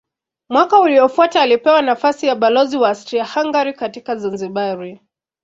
Mwaka uliofuata alipewa nafasi ya balozi wa Austria-Hungaria katika Zanzibar.